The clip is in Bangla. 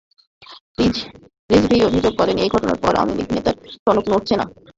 রিজভী অভিযোগ করেন, এই ঘটনার পরও আওয়ামী নেতাদের টনক নড়ছে না।